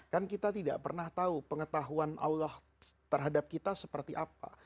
kan kita tidak pernah tahu pengetahuan allah terhadap kita seperti apa